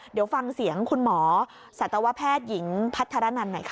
เดี๋ยวฟังเสียงคุณหมอสัตวแพทย์หญิงพัฒนันหน่อยค่ะ